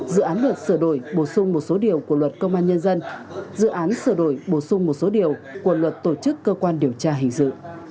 dự án luật sửa đổi bổ sung một số điều của luật công an nhân dân dự án sửa đổi bổ sung một số điều của luật tổ chức cơ quan điều tra hình dự